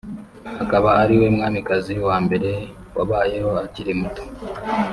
akaba ariwe mwamikazi wa mbere wabayeho akiri muto